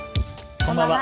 こんばんは。